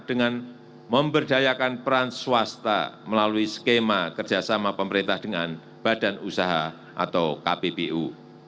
dengan memberdayakan peran swasta melalui skema kerjasama pemerintah dengan badan usaha atau kppu